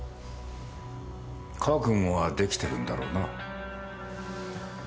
覚悟はできてるんだろうな？